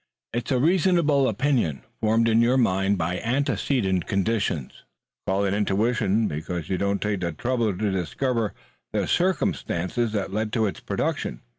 "It's a reasonable opinion, formed in your mind by antecedent conditions. You call it intuition, because you don't take the trouble to discover the circumstances that led to its production.